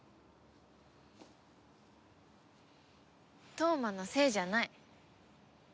飛羽真のせいじゃない。